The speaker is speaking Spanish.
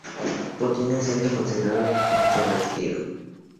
Continua siendo considerado controvertido.